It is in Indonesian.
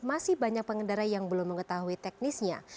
masih banyak pengendara yang belum mengetahui teknisnya